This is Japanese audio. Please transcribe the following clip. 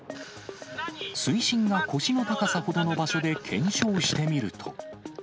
水深が腰の高さほどの場所で検証してみると。